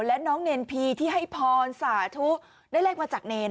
และน้องเนรพีที่ให้พรสาธุได้เลขมาจากเนร